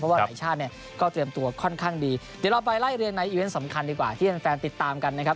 ว่าหลายชาติเนี่ยก็เตรียมตัวค่อนข้างดีเดี๋ยวเราไปไล่เรียงในอีเวนต์สำคัญดีกว่าที่แฟนติดตามกันนะครับ